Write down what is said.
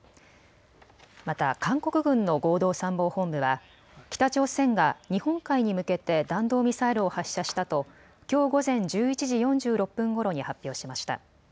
また韓国軍の合同参謀本部は北朝鮮が日本海に向けて弾道ミサイルを発射したときょう午前１１時４６分ごろに発表しました。